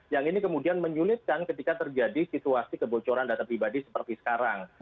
yang ini kemudian menyulitkan ketika terjadi situasi kebocoran data pribadi seperti sekarang